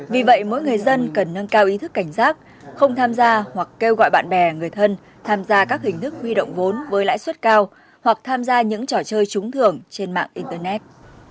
vì vậy mỗi người dân cần nâng cao ý thức cảnh giác không tham gia hoặc kêu gọi bạn bè người thân tham gia các hình thức huy động vốn với lãi suất cao hoặc tham gia những trò chơi trúng thưởng trên mạng internet